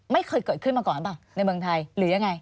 ไม่เคยเกิดขึ้นมาก่อนเปล่าในเมืองไทยหรือยังไง